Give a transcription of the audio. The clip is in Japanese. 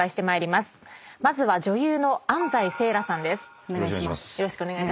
まずは女優の安斉星来さんです。